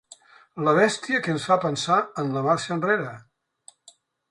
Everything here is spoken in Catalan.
La bèstia que ens fa pensar en la marxa enrere.